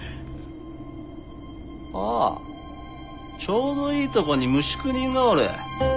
ああちょうどいいとこに無宿人がおる。